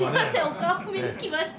お顔見に来ました。